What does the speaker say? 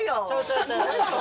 そうそう。